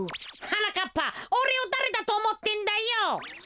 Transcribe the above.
はなかっぱおれをだれだとおもってんだよ。